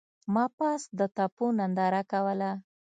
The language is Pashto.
ما پاس د تپو ننداره کوله.